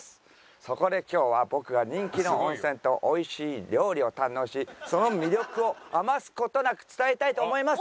そこで今日は僕が人気の温泉と美味しい料理を堪能しその魅力を余す事なく伝えたいと思います。